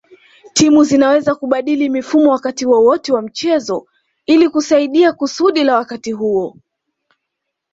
Timu zinaweza kubadili mifumo wakati wowote wa mchezo ilikusaidia kusudi la wakati huo